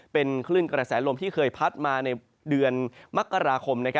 เป็นคลื่นกระแสลมที่เคยพัดมาในเดือนมกราคม